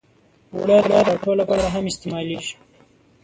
اوړه د پراتو لپاره هم استعمالېږي